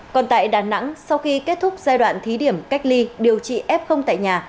còn tại đà nẵng sau khi kết thúc giai đoạn thí điểm cách ly điều trị f tại nhà